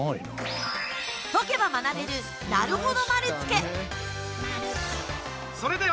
解けば学べる、なるほど丸つけ！